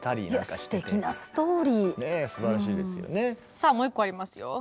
さあもう１個ありますよ。